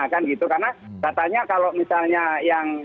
karena datanya kalau misalnya yang